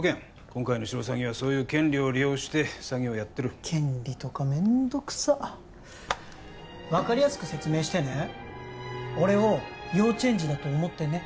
今回のシロサギはそういう権利を利用して詐欺をやってる権利とかめんどくさ分かりやすく説明してね俺を幼稚園児だと思ってね